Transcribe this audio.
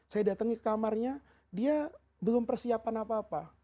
saya datang ke kamarnya dia belum persiapan apa apa